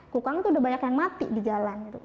kukang itu udah banyak yang mati di jalan gitu